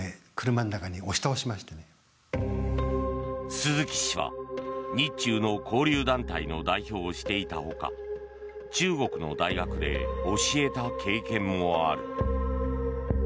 鈴木氏は、日中の交流団体の代表をしていた他中国の大学で教えた経験もある。